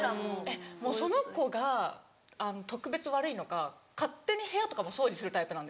えっもうその子が特別悪いのか勝手に部屋とかも掃除するタイプなんですよ。